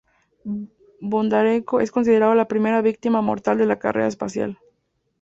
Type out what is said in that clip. Bondarenko es considerado la primera víctima mortal de la carrera espacial.